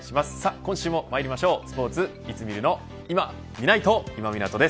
今週もまいりましょうスポーツいつ見るのいまみないと、今湊です。